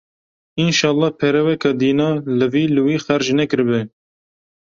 Înşallah pere weka dîna li vî li wî xerc nekiribe!’’